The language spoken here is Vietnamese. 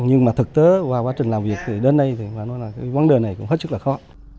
nhưng mà thực tế qua quá trình làm việc đến nay quán đời này cũng hết sức là khó